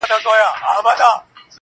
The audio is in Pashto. • اوس په پوهېږمه زه، اوس انسان شناس يمه.